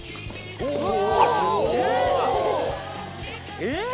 ・えっ